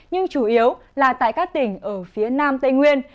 nhưng chủ yếu là tại các tỉnh ở phía nam tây nguyên